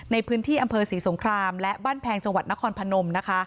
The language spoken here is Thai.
ในพื้นที่อำเภอศรีสงครามและบ้านแพงจังหวัดนครพนมนะคะ